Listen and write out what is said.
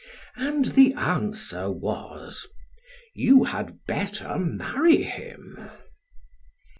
And the answer was: "You had better marry him."